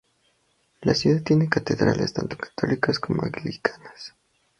La ciudad tiene catedrales tanto católicas como anglicanas.